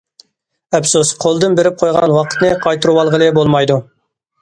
ئەپسۇس، قولدىن بېرىپ قويغان ۋاقىتنى قايتۇرۇۋالغىلى بولمايدۇ.